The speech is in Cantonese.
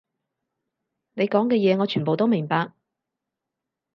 你講嘅嘢，我全部都明白